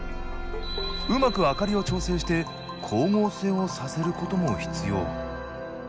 うまく明かりを調整して光合成をさせることも必要。